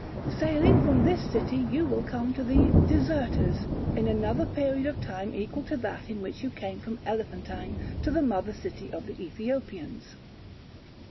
Sailing from this city you will come to the "Deserters" in another period of time equal to that in which you came from Elephantine to the mother city of the Ethiopians.